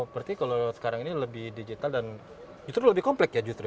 berarti kalau sekarang ini lebih digital dan justru lebih komplek ya justru